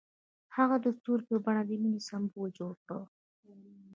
هغه د ستوري په بڼه د مینې سمبول جوړ کړ.